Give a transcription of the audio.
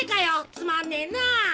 つまんねえな！